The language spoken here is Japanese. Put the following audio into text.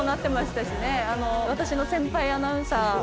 私の先輩アナウンサー。